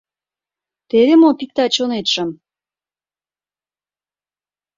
«Теве мо пикта чонетшым?